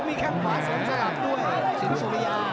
มีแค่งหาสวมสระดับด้วยสิงค์ชูญญาณ